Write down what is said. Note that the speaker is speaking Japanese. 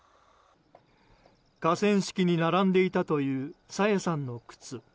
河川敷に並んでいたという朝芽さんの靴。